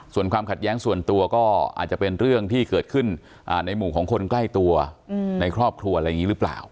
ส่วนความขัดแย้งส่วนตัวก็อาจจะเป็นเรื่องที่เกิดขึ้นในหมู่ของคนใกล้ตัวในครอบครัวอะไรอย่างนี้หรือเปล่า